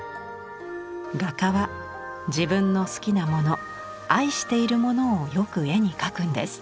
「画家は自分の好きなもの愛しているものをよく絵にかくんです。